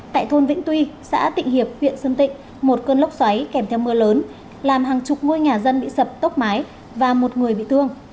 tại thôn vĩnh tuy xã tịnh hiệp huyện sơn tịnh một cơn lốc xoáy kèm theo mưa lớn làm hàng chục ngôi nhà dân bị sập tốc mái và một người bị thương